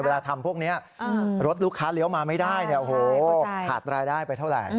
เวลาทำพวกนี้รถลูกค้าเลี้ยวมาไม่ได้เนี่ยโอ้โหขาดรายได้ไปเท่าไหร่